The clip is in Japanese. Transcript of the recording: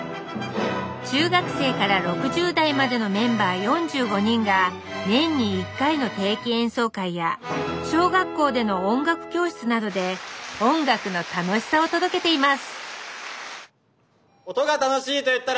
中学生から６０代までのメンバー４５人が年に１回の定期演奏会や小学校での音楽教室などで音楽の楽しさを届けています